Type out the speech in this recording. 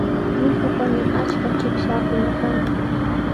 Ñuqapami achka chipshaakuna kan.